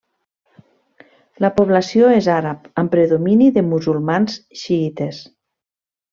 La població és àrab, amb predomini de musulmans xiïtes.